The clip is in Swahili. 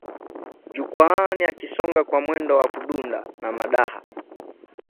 jukwaani akisonga kwa mwendo wa kudunda na madaha